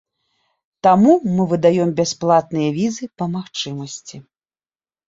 Таму мы выдаём бясплатныя візы па магчымасці.